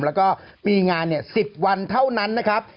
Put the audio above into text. แล้วก็มีงาน๑๐วันเท่านั้นนะครับ